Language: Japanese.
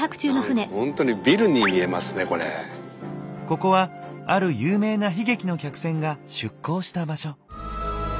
ここはある有名な悲劇の客船が出港した場所。